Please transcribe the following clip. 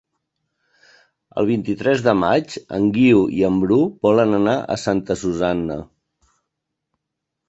El vint-i-tres de maig en Guiu i en Bru volen anar a Santa Susanna.